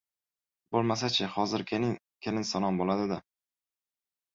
Bo‘lmasa-chi, hozir «kelin salom» bo‘ladi-da.